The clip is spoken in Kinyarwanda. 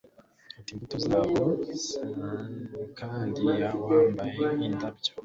Ate imbuto zabo kandi wambare indabyo